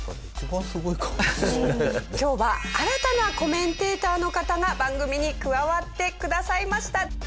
今日は新たなコメンテーターの方が番組に加わってくださいました。